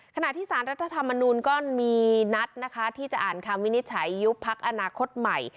ขณะที่สารรัฐธรรมนูลก็มีนัดนะคะที่จะอ่านคำวินิจฉัยยุบพักอนาคตใหม่